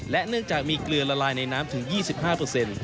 เนื่องจากมีเกลือละลายในน้ำถึง๒๕เปอร์เซ็นต์